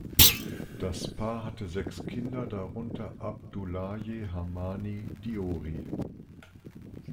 Das Paar hatte sechs Kinder, darunter Abdoulaye Hamani Diori.